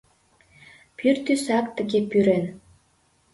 Пӱртӱсак тыге пӱрен.